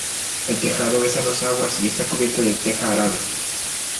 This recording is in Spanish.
El tejado es a dos aguas y está cubierto de teja árabe.